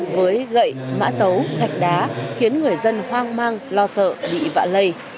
với gậy mã tấu gạch đá khiến người dân hoang mang lo sợ bị vạ lây